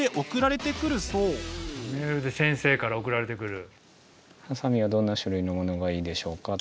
メールで先生から送られてくる。